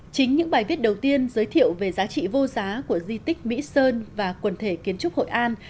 chính những bài viết đầu tiên giới thiệu về giá trị vô giá của di tích mỹ sơn và quần thể kiến trúc hội an